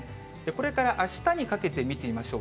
これからあしたにかけて見てみましょう。